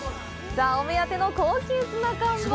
お目当ての高級ツナ缶は？